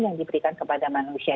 yang diberikan kepada manusia